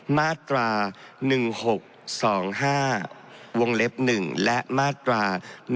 มาตรา๑๖๒๕วงเล็บ๑และมาตรา๑๑